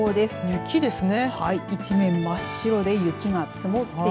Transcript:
雪ですね。